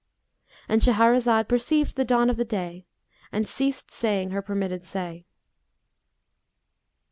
'" —And Shahrazad perceived the dawn of day and ceased saying her permitted say.